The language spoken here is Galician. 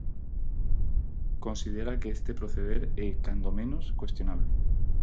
Considera que este proceder é cando menos cuestionable.